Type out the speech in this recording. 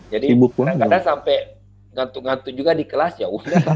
jadi kadang kadang sampai ngantuk ngantuk juga di kelas ya udah